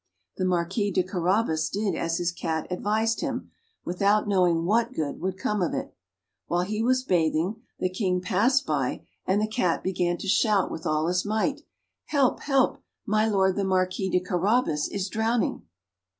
The Marquis de Carabas did as his cat advised him, without knowing what good would come of it. While he was bathing, the King passed by, and the Cat began to shout with all his might, "Help! help! My Lord the Marquis de Carabas is drowning!"